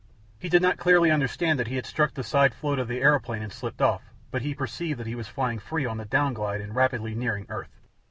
He did not clearly understand that he had struck the side float of the aeroplane and slipped off, but he perceived that he was flying free on the down glide and rapidly nearing earth.